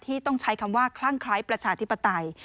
ต้องใช้คำว่าคลั่งคล้ายประชาธิปไตย